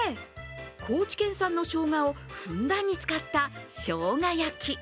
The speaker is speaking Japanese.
高知県産のしょうがをふんだんに使ったしょうが焼き。